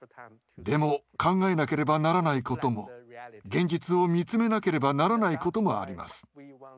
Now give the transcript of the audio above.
でも考えなければならないことも現実を見つめなければならないこともあります。